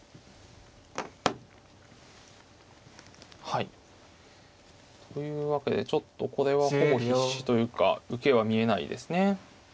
はいというわけでちょっとこれはほぼ必至というか受けは見えないですね。